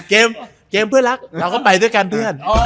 เกมเพื่อนรักเราก็ไปด้วยกันเพื่อน